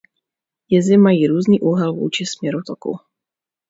Jezy mají různý úhel vůči směru toku.